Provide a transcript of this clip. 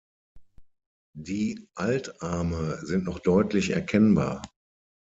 Die Altarme sind noch deutlich erkennbar.